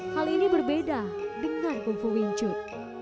hal ini berbeda dengan kungfu wing chun